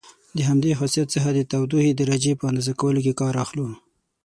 د همدې خاصیت څخه د تودوخې درجې په اندازه کولو کې کار اخلو.